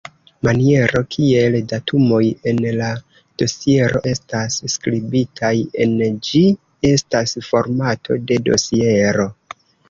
Maniero kiel datumoj en la dosiero estas skribitaj en ĝi estas formato de dosiero.